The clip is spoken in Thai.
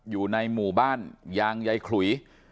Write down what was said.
อยู่ในหมู่บ้านยางใยขลุย